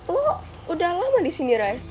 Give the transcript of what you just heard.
lo udah lama disini raya